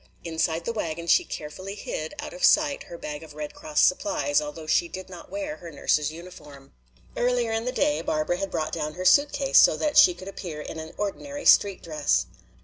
Inside the wagon she carefully hid out of sight her bag of Red Cross supplies, although she did not wear her nurse's uniform. Earlier in the day Barbara had brought down her suitcase, so that she could appear in an ordinary street dress.